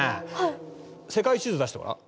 世界地図出してごらん。